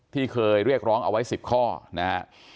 ที่เคยเรียกร้องเอาไว้๑๐ข้อนะฮะ